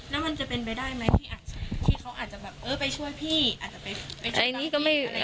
แล้วมันจะเป็นไปได้ไหมที่เขาอาจจะไปช่วยพี่